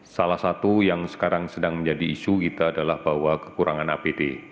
salah satu yang sekarang sedang menjadi isu kita adalah bahwa kekurangan apd